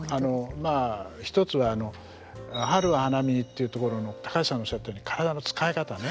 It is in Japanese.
まあ一つは「春は花見に」というところの高橋さんがおっしゃったように体の使い方ね。